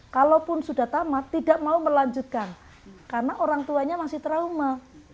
kalaupun sudah tamat tidak mau melanjutkan karena orang tuanya masih trauma